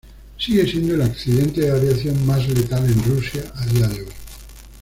Sigue siendo el accidente de aviación más letal en Rusia a día de hoy.